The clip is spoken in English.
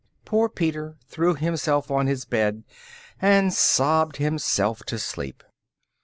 Poor Peter threw himself on his bed and sobbed himself to sleep.